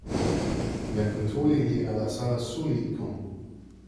jan Kuntuli li alasa suli e kon.